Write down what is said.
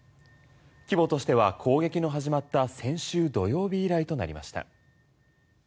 規模としては攻撃の始まった先週土曜日以来となりました。